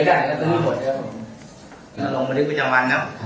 ลงมานี่ก็จะมันเนอะ